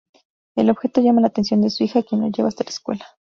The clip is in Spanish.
El objeto llama la atención de su hija, quien lo lleva hasta la escuela.